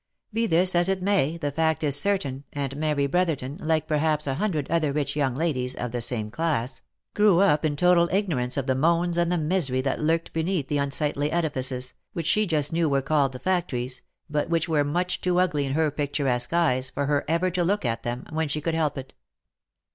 Be this as it may, the fact is certain, and Mary Brotherton, like perhaps a hundred other rich young ladies, of the same class, grew up in total ignorance of the moans and the misery that lurked beneath the unsightly edifices, which she just knew were called the factories, but which were much too ugly in her picturesque eyes for her ever to look at them, when she could help it.